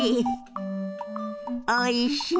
「おいしい」。